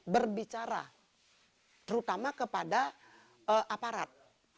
berbicara terutama kepada aparat